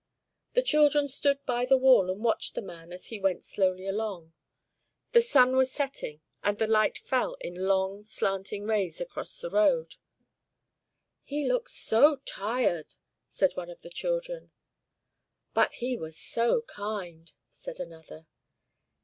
The children stood by the wall and watched the man as he went slowly along. The sun was setting, and the light fell in long slanting rays across the road. "He looks so tired!" said one of the children. "But he was so kind!" said another.